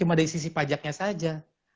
cuma dari sisi pajaknya saja